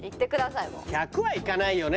１００はいかないよね